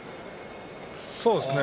そうですね。